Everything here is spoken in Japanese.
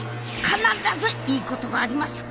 必ずいいことがあります。